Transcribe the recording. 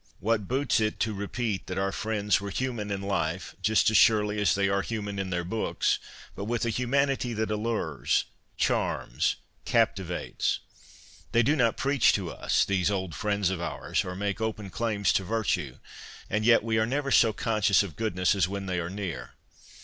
What boots it to repeat that our friends were human in life, just as surely as they are human in their books, but with a humanity that allures, charms, captivates? They do not preach to us, these old friends of ours, or make open claims to virtue ; and yet we are never so conscious of goodness as when they are near.